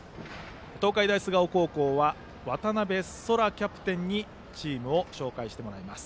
東海大菅生高校は渡部奏楽キャプテンにチームを紹介してもらいます。